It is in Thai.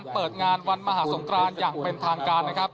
เปิดงานวันมหาสงครานอย่างเป็นทางการนะครับ